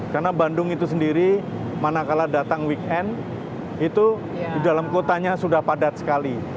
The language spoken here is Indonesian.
karena bandung itu sendiri mana kalah datang weekend itu di dalam kotanya sudah padat sekali